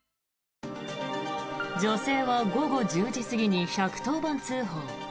女性は午後１０時過ぎに１１０番通報。